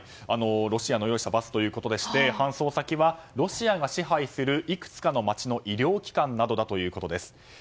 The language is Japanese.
ロシアの用意したバスということで搬送先はロシアが支配するいくつかの街の医療機関ということです。